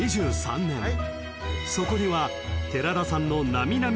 ［そこには］